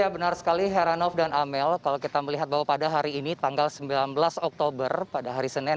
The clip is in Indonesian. benar sekali heranov dan amel kalau kita melihat bahwa pada hari ini tanggal sembilan belas oktober pada hari senin